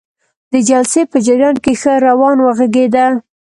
د جلسې په جریان کې ښه روان وغږیده.